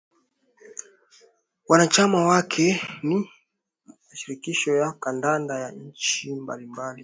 Wanachama wake ni mashirikisho ya kandanda ya nchi mbalimbali